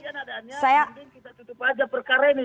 seandainya ada undang undang kita tutup saja perkara ini